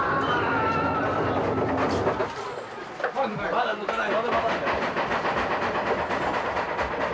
まだ抜かない。